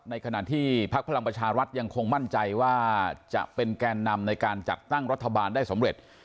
ในขณะที่พักพลังประชารัฐยังคงมั่นใจว่าจะเป็นแกนนำในการจัดตั้งรัฐบาลได้สำเร็จ